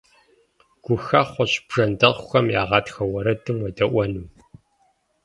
Гухэхъуэщ бжэндэхъухэм я гъатхэ уэрэдым уедэӀуэну!